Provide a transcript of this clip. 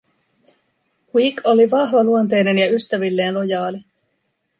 Quique oli vahvaluonteinen ja ystävilleen lojaali.